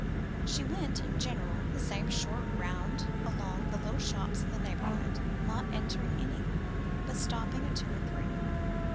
She went, in general, the same short round among the little shops in the neighbourhood; not entering any, but stopping at two or three.